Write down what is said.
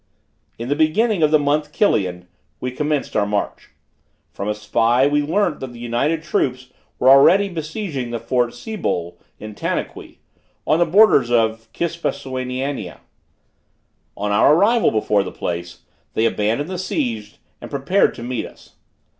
In the beginning of the month Kilian, we commenced our march. From a spy, we learnt that the united troops had already besieged the fort Sibol in Tanaqui, on the borders of Kispusianania. On our arrival before the place, they abandoned the siege and prepared to meet us.